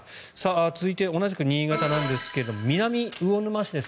続いて同じく新潟なんですが南魚沼市です。